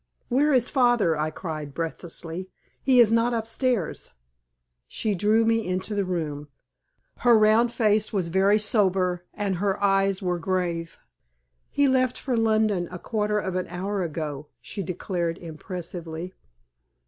"Where is father?" I cried, breathlessly. "He is not upstairs!" She drew me into the room. Her round face was very sober, and her eyes were grave. "He left for London a quarter of an hour ago," she declared, impressively.